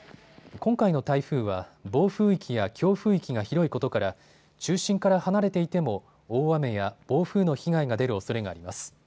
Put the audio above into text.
今回の台風は暴風域や強風域が広いことから中心から離れていても大雨や暴風の被害が出るおそれがあります。